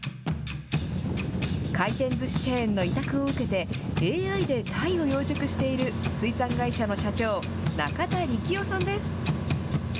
回転ずしチェーンの委託を受けて、ＡＩでタイを養殖している水産会社の社長、中田力夫さんです。